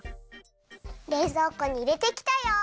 れいぞうこにいれてきたよ。